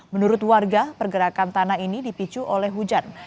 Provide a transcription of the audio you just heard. menurut warga pergerakan tanah ini dipicu oleh hujan